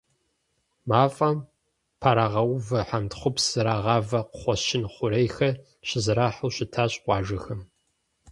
Мафӏэм пэрагъэувэ хьэнтхъупс зэрагъавэ кхъуэщын хъурейхэр щызэрахьэу щытащ къуажэхэм.